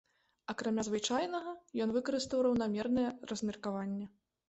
Акрамя звычайнага, ён выкарыстаў раўнамернае размеркаванне.